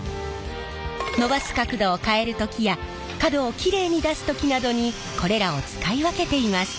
伸ばす角度を変える時や角をきれいに出す時などにこれらを使い分けています。